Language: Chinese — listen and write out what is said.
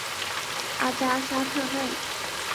阿扎沙特内。